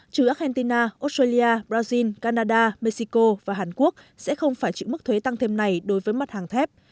trừ argentina australia brazil canada mexico và hàn quốc sẽ không phải chịu mức thuế tăng thêm này đối với mặt hàng thép